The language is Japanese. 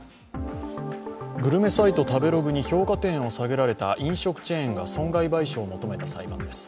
グルメサイト、食べログに評価点を下げられた飲食チェーンが損害賠償を求めた裁判です。